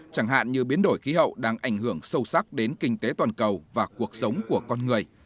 chẳng hạn như biến đổi khí hậu đang ảnh hưởng sâu sắc đến kinh tế toàn cầu và cuộc sống của con người